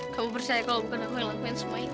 kamu percaya kalau bukan aku yang lakuin semua itu